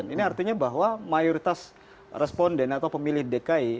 ini artinya bahwa mayoritas responden atau pemilih dki